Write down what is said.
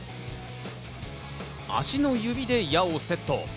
足の指で矢をセット。